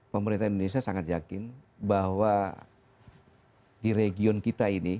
pemerintah indonesia sangat yakin bahwa di region kita ini